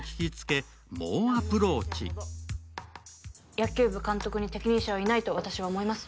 野球部監督に適任者はいないと私は思います。